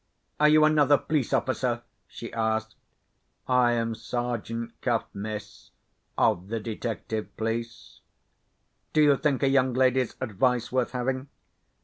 "Are you another police officer?" she asked. "I am Sergeant Cuff, miss, of the Detective Police." "Do you think a young lady's advice worth having?"